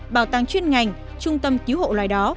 bảo tàng chuyên ngành trung tâm cứu hộ loài đó